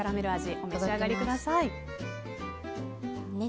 お召し上がりください。